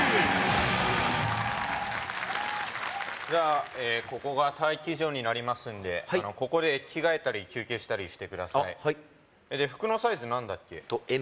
じゃあここが待機所になりますんでここで着替えたり休憩したりしてくださいで服のサイズ何だっけ？